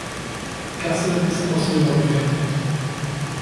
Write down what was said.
Klasse ist aus Silber gefertigt.